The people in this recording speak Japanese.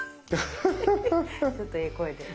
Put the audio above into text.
ちょっとええ声で。